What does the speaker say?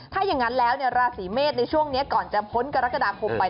ถ้าอย่างนั้นแล้วราศีเมษในช่วงนี้ก่อนจะพ้นกรกฎาคมไป